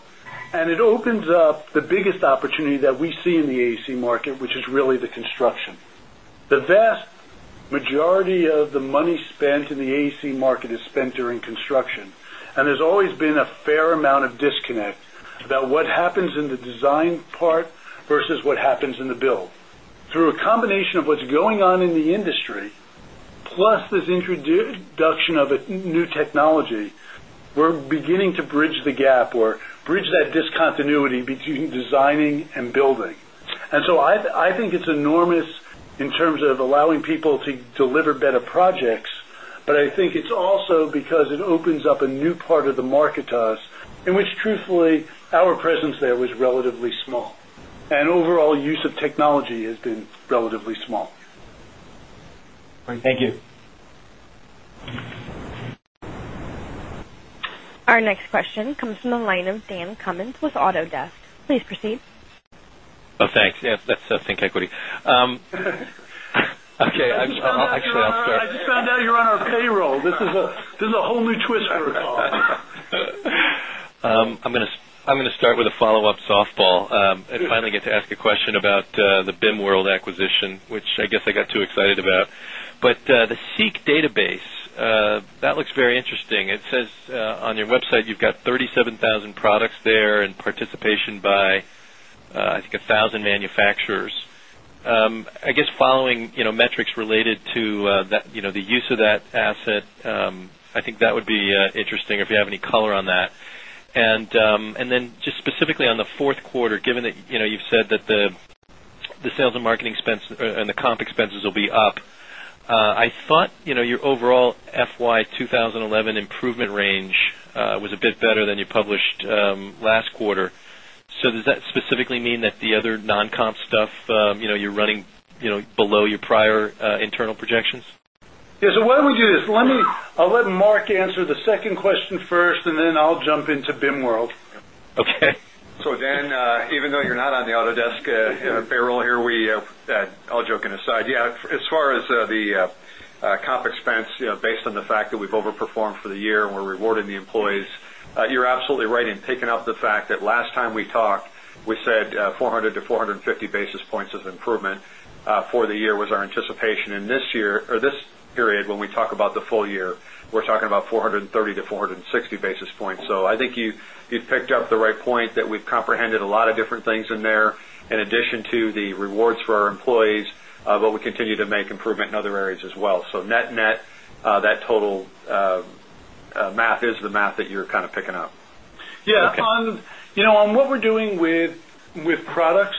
And it opens up the biggest opportunity that we see in the AEC market, which is really the construction. The vast majority of the money spent in the AAC market is spent during construction and there's always been a fair amount of disconnect about what happens in the design part versus what happens in the build. Through a combination of what's going on in the industry, plus this introduction of new technology, we're beginning to bridge the gap or bridge that discontinuity between designing and building. And so I think it's enormous in terms of allowing people to deliver better projects, but I think it's also because it opens up a new part the market to us in which truthfully our presence there was relatively small and overall use of technology has been relatively small. Thank you. Our next question comes from the line of Dan Cummins with Autodesk. Please proceed. Thanks. That's ThinkEquity. Okay. I just found out you're on our payroll. This is a whole new twist for us. I'm going to start with a follow-up softball and finally get to ask a question about the BIM World acquisition, which I guess I got too excited about. But the SEEK database, that looks very interesting. It says on your website, you've got 37,000 products there and participation by, I think, 1,000 manufacturers. I guess, following metrics related to the use of that asset, I think that would be interesting if you have any color on that. And then just specifically on the Q4, given that you've said that the sales and marketing expense and the comp expenses will be up, I thought your overall FY2011 improvement range was a bit better than you published last quarter. So does that specifically mean that the other non comp stuff you're running below your prior internal projections? Yes. So, why don't we do this? Let me I'll let Mark answer the second question first and then I'll jump into BIM World. Okay. So, Dan, even though you're not on the Autodesk payroll here, we all joking aside, yes, as far as the comp expense based on the 50 basis points of improvement for the year was our anticipation in this year or this period when we talk about the full year, we're talking about 4 to 460 basis points. So I think you've picked up the right point that we've comprehended a lot of different things in there in addition to the rewards for our employees, but we continue to make improvement in other areas as well. So net net, that total math is the math that you're kind of picking up. Yes. On what we're doing with products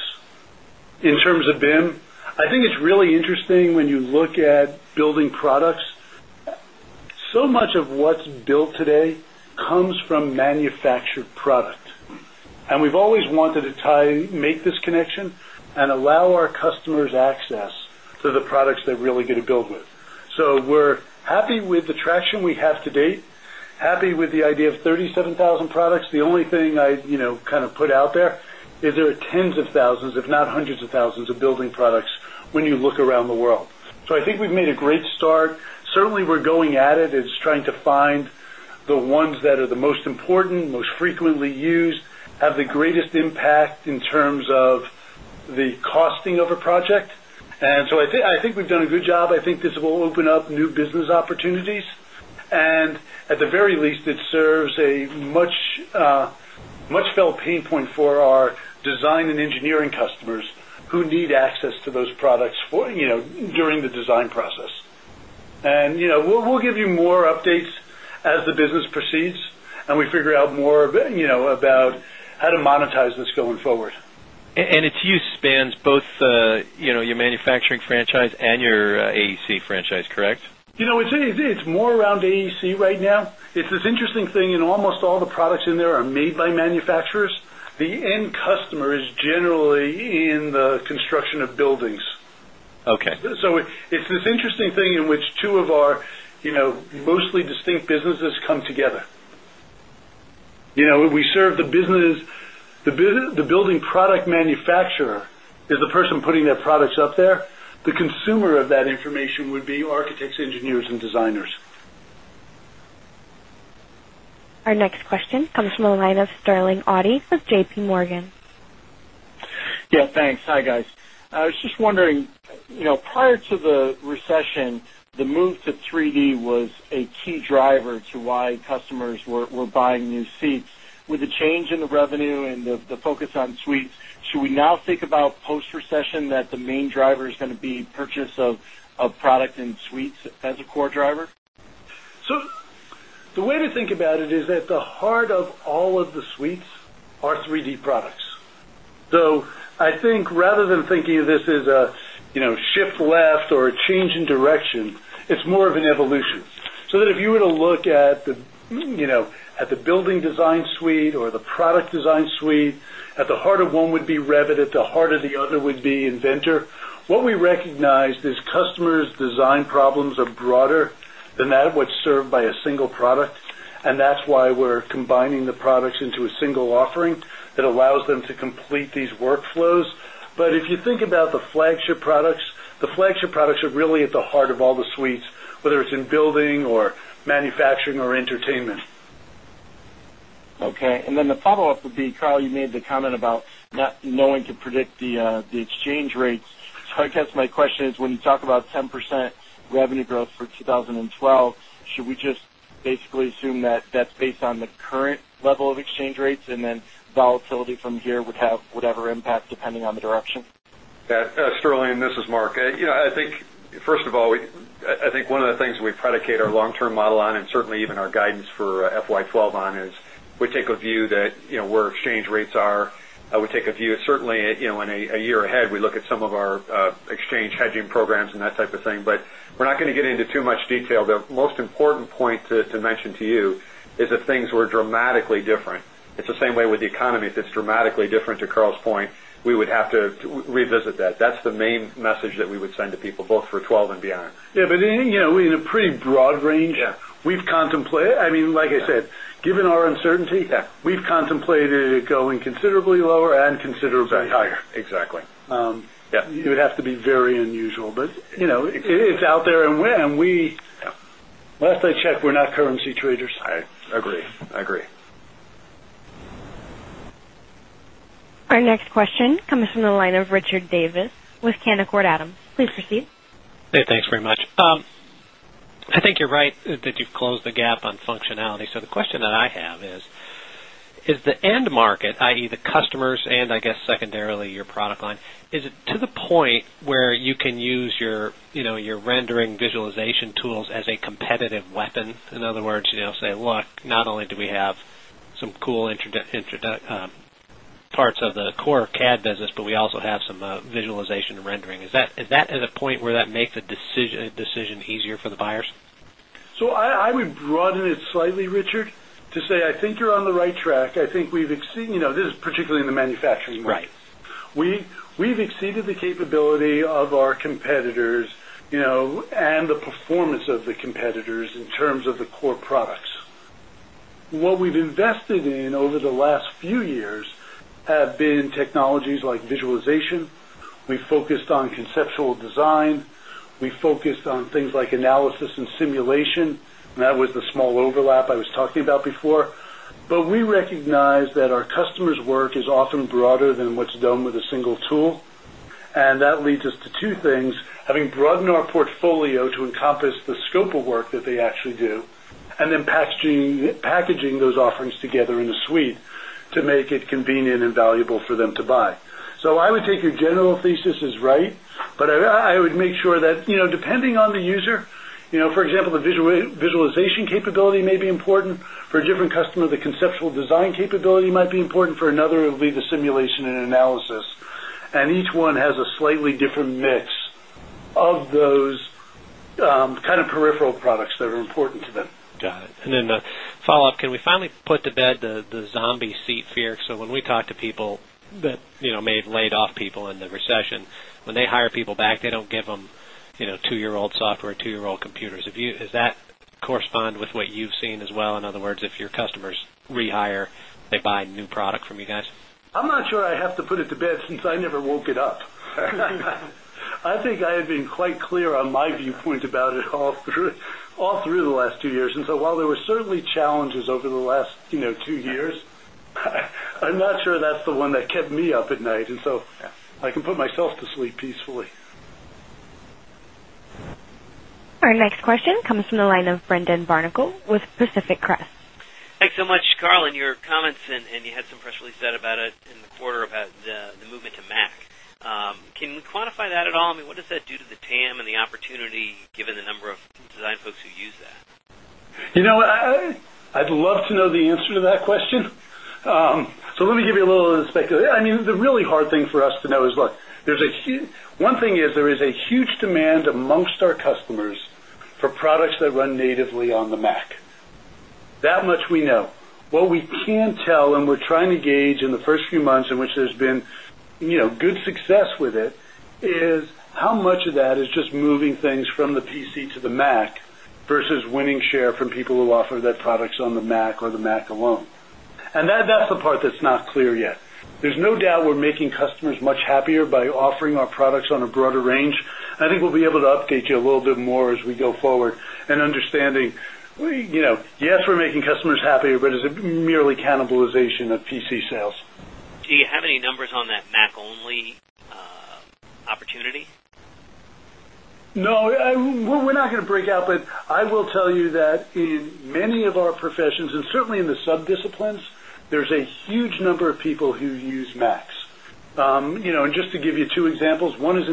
in terms of BIM, I think it's really interesting when you look at building products. So much of what's built today comes from manufactured product. And we've always wanted to tie make this connection and allow our customers access to the products they're really going to build with. So we're happy with the traction we have to date, happy with the idea of 37,000 products. The only thing I kind of put out there is there are tens of 1,000, if not 100 of 1,000 of building products when you look around the world. So I think we've made a great start. Certainly, we're going at it. It's trying to find the ones that are the most important, most frequently used, have the greatest impact in terms of the costing of a project. And so I think we've done a good job. I think this will open up new business opportunities. And at the very least, it serves a much felt pain point for our design and engineering customers who need access to those products during the design process. And we'll give you more updates as the business proceeds and we figure out more about how to monetize this going forward. And its use spans both your manufacturing franchise and your AEC franchise, correct? It's more around AEC right now. It's this this interesting thing in almost all the products in there are made by manufacturers. The end customer is generally in the construction of buildings. Okay. So, it's this interesting thing in which 2 of our mostly distinct businesses come together. We serve the business, the building product manufacturer is the person putting their products up there. The consumer of that information would be architects, engineers and designers. Our next question comes from the line of Sterling Auty with JPMorgan. Yes, thanks. Hi, guys. I was just wondering prior to the recession, the move to 3 d was a key driver to why customers were buying new seats. With the change in the revenue and the focus on suites, should we now think about post recession that the main driver is going to be purchase of product in suites as a core driver? So the way to think about it is that the heart of all of the suites are 3 d products. So I think rather than thinking of this as a shift left or a change in direction, it's more of an evolution. So that if you were to look at the building design suite or the product design suite, at the heart of one would be Revit, at the heart of the other would be Inventor. What we recognized is customers' design problems are broader than that what served by a single product. And that's why we're combining the products into a single offering that allows them to complete flagship products are really at the heart of all the suites, whether it's in building or manufacturing or entertainment. Okay. And then the follow-up would be, Carl, you made the comment about not knowing to predict the exchange rates. So I guess my question is when you talk about 10% revenue growth for 2012, should we just basically assume that that's based on the current level of exchange rates and then volatility from here would have whatever impact depending on the direction? Yes. Sterling, this is Mark. I think 1st of all, I think one of the things we predicate our long term model on and certainly even our guidance for FY 2012 on is we take a view that where exchange rates are, we take a view certainly in a year ahead, we look at some of our exchange hedging programs and that type of thing, but we're not going to get into too much detail. The most important point to mention to you is that things were dramatically different. It's the same way with the economy. If it's dramatically different to Karl's point, we would have to revisit that. That's the main message that we would send to people both for 12 and beyond. Yes, but in a pretty broad range, we've contemplated, I mean, like I said, given our uncertainty, we've contemplated it going considerably lower and considerably higher. Exactly. Yes. It would have to be very unusual, but it's out there and when we last I checked, we're not currency traders. I agree. I agree. Our next question comes from the line of Richard Davis with Canaccord Adams. Please proceed. Hey, thanks very much. I think you're right that you've closed the gap on functionality. So the question that I have is, is the end market, I. E. The customers and I guess secondarily your product line, is it to the point where you can use your rendering visualization tools as a competitive weapon? In other words, say, look, not only do we have some cool parts of the core business, but we also have some visualization rendering. Is that at a point where that makes a decision easier for the buyers? So I would broaden it slightly, Richard, to say I think you're on the right track. I think we've exceeded this is particularly in the manufacturing market. We've exceeded the capability of our competitors and the performance of the competitors in terms of the core products. What we've invested in over the last few years have been technologies like visualization. We focused on conceptual design. We focused on things like analysis and simulation, and that was the small overlap I was talking about before. But we recognize that our customers' work is often broader than what's done with a single tool. And that leads us to 2 things, having broaden our portfolio to encompass the scope of work that they actually do and then packaging those offerings together in a suite to make it convenient and valuable for them to buy. So I would take your general thesis is right, but I would make sure that depending on the user, for example, the visualization capability may be important. For a different customer, the conceptual design capability might be important. For another, it will be the simulation and analysis. And each one has a slightly different mix of those kind of peripheral products that are important to them. Got it. And then a follow-up, can we finally put to bed the zombie seat fear? So when we talk to people that may have laid off people in the recession, when they hire people back, they don't give them 2 year old software, 2 year old computers. Is that correspond with what you've seen as well? In other words, if your customers rehire, they buy new product from you guys? I'm not sure I have to put it to bed since I never woke it up. I think I have been quite clear on my viewpoint about it all through the last 2 years. And so while there were certainly challenges over the last 2 years, I'm not sure that's the one that kept me up at night. And so I can put myself to Pacific Crest. Thanks so much. Karl, in your comments and you had some press release said about it in the quarter about the movement to Mac. Can you quantify that at all? I mean, what does that do the TAM and the opportunity given the number of design folks who use that? I'd love to know the answer to that question. So let me give you a little I mean, the really hard thing for us to know is, look, there's a huge one thing is there is a huge demand amongst our customers for products that run natively on the Mac. That much we know. What we can tell and we're trying to gauge in the 1st few months in which there's been good success with it is how much of that is just moving things from the PC to the Mac versus winning share from people who offer their products on the Mac or the Mac alone. And that's the part that's not clear yet. There's no doubt we're making customers much happier by offering our products on a broader range. I think we'll be able to update you a little bit more as we go forward and understanding, yes, we're making customers happy, but is it merely cannibalization of PC sales? Do you have any numbers on that Mac only opportunity? No, we're not going to break out, but I will tell you that in many of our professions and certainly in the sub disciplines, there's a huge number of people who use Max. And just to give you 2 examples, MAX.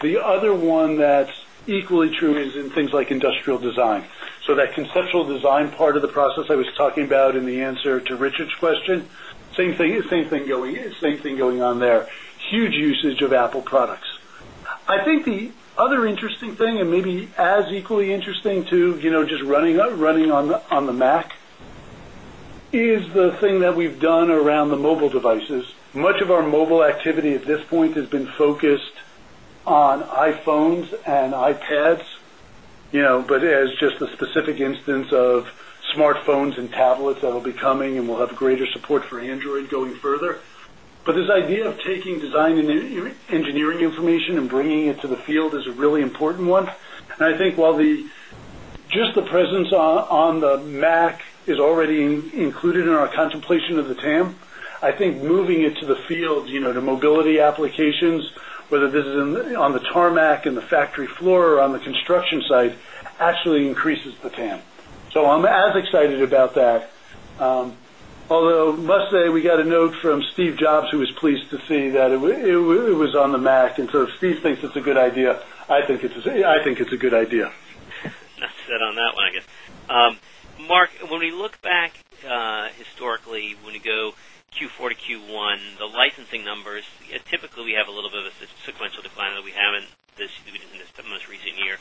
The other one that's equally true is in things like industrial design. So that conceptual design part of the process I was talking about in the answer to Richard's question, same thing going on there, huge usage of Apple products. I think the other interesting thing and maybe as equally interesting to just running on the Mac is the thing that we've done around the mobile devices. Much of our mobile activity at this point has been focused on iPhones and iPads, but as just the specific instance of smart phones and tablets that will be coming and we'll have greater support for Android going further. But this idea of taking design and engineering information and bringing it to the field is a really important one. And I think while just the presence on the Mac is already included in our contemplation of the TAM. I think moving it to the field, the mobility applications, whether this is on the tarmac, in the factory floor, on the construction site actually increases the TAM. So I'm as excited about that. Although, let's say, we got a note from Steve Jobs, who was pleased to see that it was on the Mac. And so if Steve thinks it's a good idea, I think it's a good idea. That said on that one, I guess. Mark, when we look back historically, when you go Q4 to Q1, the licensing numbers, typically we have a little bit of a sequential decline that we have in in the most recent year.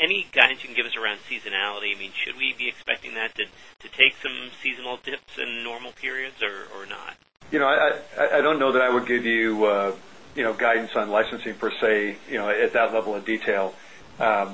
Any guidance you can give us around seasonality? I mean, should we be expecting that to take some seasonal dips in normal periods or not? I don't know that I would give you guidance on licensing per se at that level of detail. I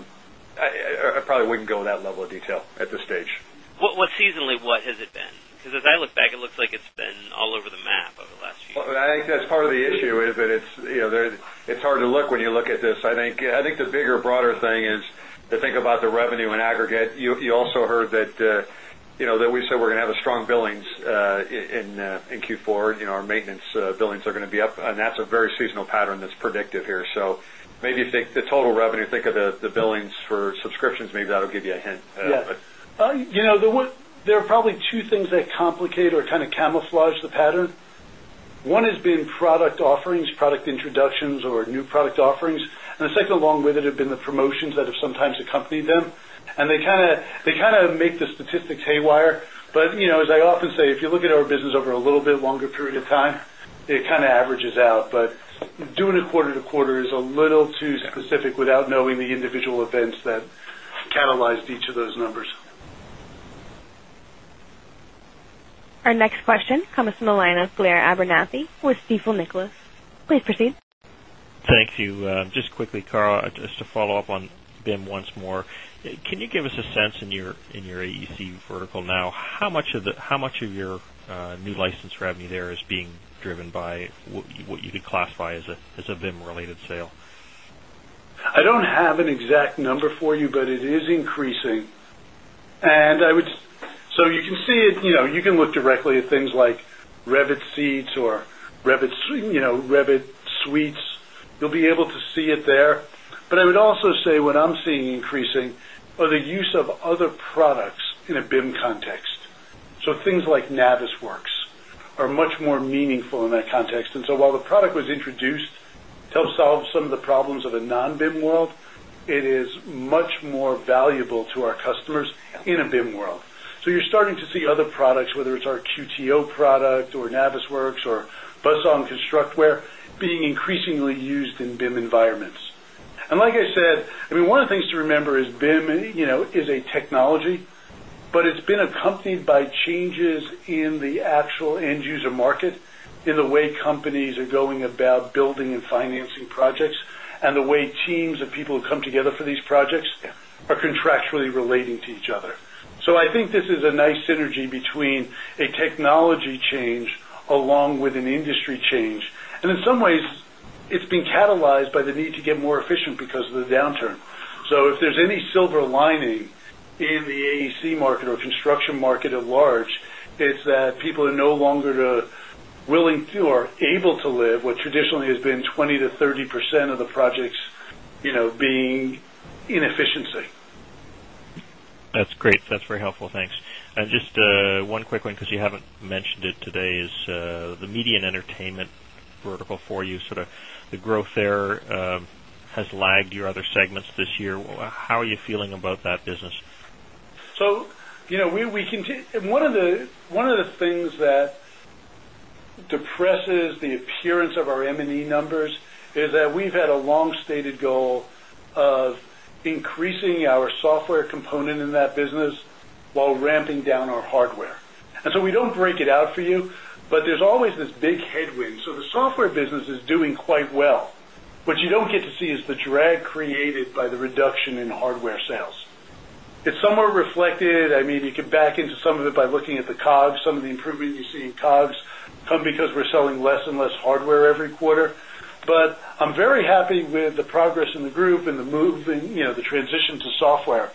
probably wouldn't go with that level of detail at this stage. What seasonally, what has it been? Because as I look back, it looks like it's been all over the map over the last few years. I think that's part of the issue is that it's hard to look when you look at this. I think the bigger, broader thing is to think about the revenue in aggregate. You also heard that we said we're going to have a strong billings in Q4. Our maintenance billings are going to be up and that's a very seasonal pattern that's predictive here. So, maybe you think the total revenue, think of the billings for subscriptions, maybe that will give you a hint. Yes. There are probably 2 things that complicate or kind of camouflage the pattern. 1 has been product offerings, product introductions or new product offerings. And the second along with it have been the promotions that have sometimes accompanied them. And they kind of make the statistics haywire. But But as I often say, if you look at our business over a little bit longer period of time, it kind of averages out. But doing a quarter to quarter is a little too specific without knowing the from the line of Blair Abernathy with Stifel Nicolaus. Please proceed. Thank you. Just quickly, Cara, just to follow-up on BIM once more. Can you give us a sense in your AEC vertical now, how much of your new license revenue there is being driven by what you could classify as a VIM related sale? I don't have an exact number for you, but it is increasing. So you can see it, you can look directly at things like Revit Seats or Revit Suites, you'll be able to see it there. But I would also say what I'm seeing increasing are the use of other products in a BIM context. So things like Navisworks are much more meaningful in that context. And so while the product was introduced to help solve some of the problems of a non BIM world, it is much more valuable to our customers in a BIM world. So you're starting to see other products, whether it's our QTO product or Navisworks or Buzzon Constructware being increasingly used in BIM environments. And like I said, I mean, one of the things to remember is BIM is a technology, but it's been accompanied by changes in the actual end user market in the way companies are going about building and financing projects and the way teams of people who come together for these projects are contractually relating to each other. So, I think this is a nice synergy between a technology change along with an industry change. And in some ways, it's been catalyzed by the need to get more efficient because of the downturn. So, if there's any silver lining in the AEC market or being inefficiency. That's great. That's very helpful. Thanks. And just one quick one because you haven't mentioned it today is the media and entertainment vertical for you sort of the growth there has lagged your other segments this year. How are you feeling about that business? So, we continue one of the things that And one of the things that depresses the appearance of our M and E numbers is that we've had a long stated goal of increasing our software component in that business while ramping down our hardware. And so we don't break it out for you, but there's always this big headwind. So the software business is doing quite well. What you don't get to see is the drag created by the reduction in hardware sales. It's somewhat reflected, I mean, you could back into some of it by looking at the COGS, some of the improvement you see in COGS come because we're selling less and less hardware every quarter. But I'm very happy with the progress in the group and the move the transition to software.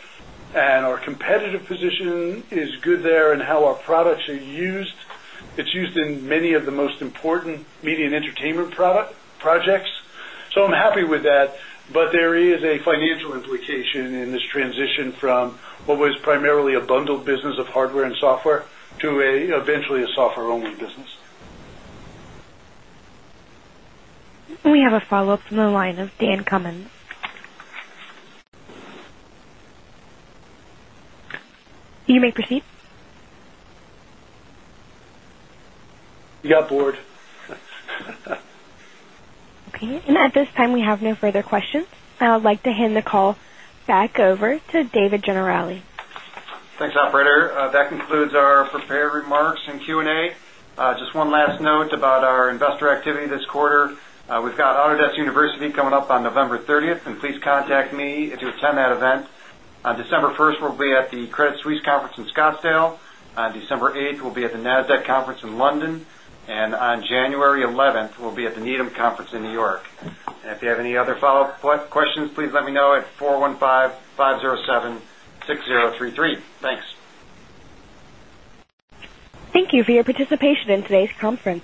And our competitive position is good there and how our products are used. It's used in many of the most important media and entertainment projects. So, I'm happy with that, but there is a financial implication in this transition from what was primarily a bundled business of hardware and software to eventually a software only business. We have a follow-up from the line of Dan Cummins. You may proceed. You got bored. Okay. And at this time, we have no further questions. I would like to hand the call back over to David Generali. Thanks, operator. That concludes our prepared remarks and Q and A. Just one last note about our investor activity this quarter. We've got Autodesk University coming up on November 30, and please contact me to attend that event. On December 1, we'll be at the Credit Suisse Conference in Scottsdale. On December 8, we'll be at the NASDAQ Conference in London. And on January 11, we'll be at the Needham Conference in New York. And if you have any other follow-up questions, please let me know at 415-507-6033. Thanks. Thank you for your participation in today's conference.